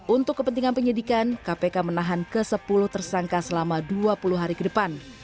untuk kepentingan penyidikan kpk menahan ke sepuluh tersangka selama dua puluh hari ke depan